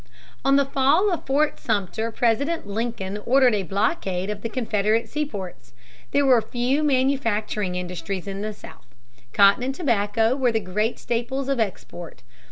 On the fall of Fort Sumter President Lincoln ordered a blockade of the Confederate seaports. There were few manufacturing industries in the South. Cotton and tobacco were the great staples of export.